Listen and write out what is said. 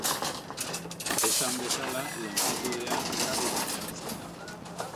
Esan bezala, longitudea gradutan neurtzen da.